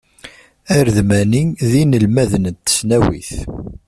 Aredmani, d inelmaden n tesnawit.